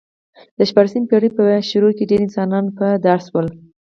د شپاړسمې پېړۍ په پیل کې ډېر انسانان په دار شول